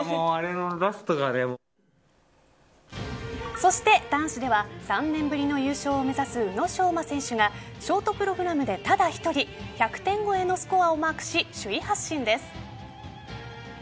そして、男子では３年ぶりの優勝を目指す宇野昌磨選手がショートプログラムで、ただ１人１００点超えのスコアをマークし首位発進です。